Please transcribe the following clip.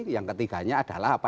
yang ketiganya adalah apa